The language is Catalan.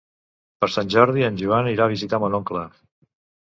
Per Sant Jordi en Joan irà a visitar mon oncle.